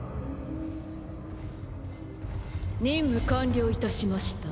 任務完了いたしました。